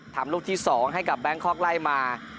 ลูกที่๒ให้กับแบงคอกไล่มา